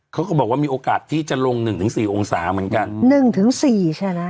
เขาก็บอกว่ามีโอกาสที่จะลงหนึ่งถึงสี่องศาเหมือนกันหนึ่งถึงสี่ชนะ